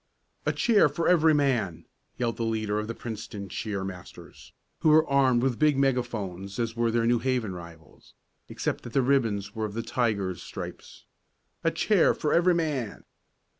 "A cheer for every man!" yelled the leader of the Princeton cheer masters, who were armed with big megaphones as were their New Haven rivals, except that the ribbons were of the tiger's stripes. "A cheer for every man!"